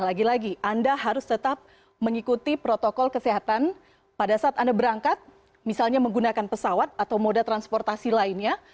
lagi lagi anda harus tetap mengikuti protokol kesehatan pada saat anda berangkat misalnya menggunakan pesawat atau moda transportasi lainnya